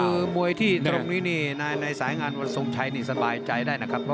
คือมวยที่ทรงนี้ในสายงานวัลส่งชัยสบายใจได้นะครับ